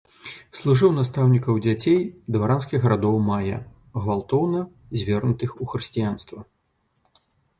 Служыў настаўнікам дзяцей дваранскіх родаў мая, гвалтоўна звернутых у хрысціянства.